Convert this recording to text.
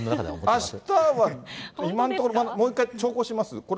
あしたは、今のところ、もう一回、長考します？